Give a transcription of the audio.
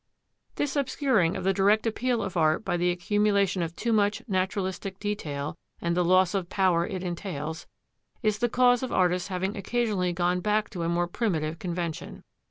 This obscuring of the direct appeal of art by the accumulation of too much naturalistic detail, and the loss of power it entails, is the cause of artists having occasionally gone back to a more primitive convention.